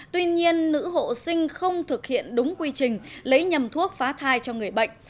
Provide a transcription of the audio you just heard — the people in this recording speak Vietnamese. tuy nhiên nữ hộ sinh không thực hiện đúng quy trình lấy nhầm thuốc phá thai cho người bệnh